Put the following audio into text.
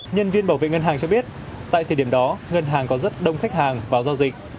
nhân viên bảo vệ ngân hàng cho biết tại thời điểm đó ngân hàng có rất đông khách hàng vào giao dịch